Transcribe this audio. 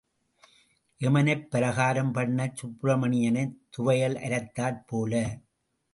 எமனைப் பலகாரம் பண்ணிச் சுப்பிரமணியனைத் துவையல் அரைத்தாற் போல.